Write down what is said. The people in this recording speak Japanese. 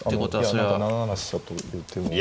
何か７七飛車という手も。